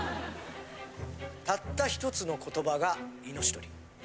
たったひとつの言葉が命取り。